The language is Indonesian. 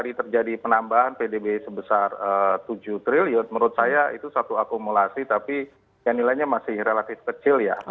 tadi terjadi penambahan pdb sebesar tujuh triliun menurut saya itu satu akumulasi tapi yang nilainya masih relatif kecil ya